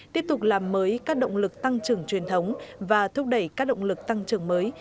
tiếp tục làm mới các động lực tăng trưởng truyền thống và thúc đẩy các động lực tăng trưởng mới